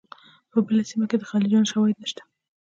په بله سیمه کې د خلجیانو شواهد نشته.